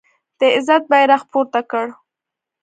د عزت بیرغ پورته کړ